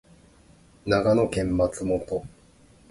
長野県松本